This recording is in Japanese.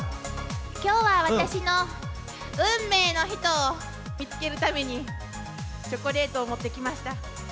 きょうは私の運命の人を見つけるために、チョコレートを持ってきました。